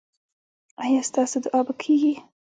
ایا ستاسو دعا به کیږي؟